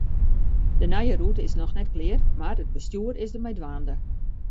De nije rûte is noch net klear, mar it bestjoer is der mei dwaande.